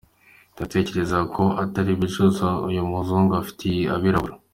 Ndatekereza ko atari ukwicuza uyu muzungu afitiye abirabura.